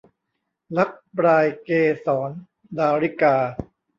รักปลายเกสร - ดาริกา